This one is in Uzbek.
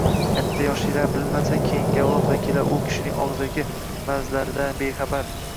Katta yoshlilar bilmasa, keyingi avlod vakillari u kishining og‘zaki mav’izalaridan bexabar.